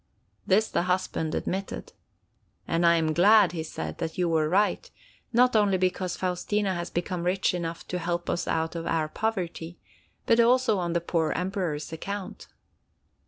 This the husband admitted. "And I am glad," he added, "that you were right, not only because Faustina has become rich enough to help us out of our poverty, but also on the poor Emperor's account."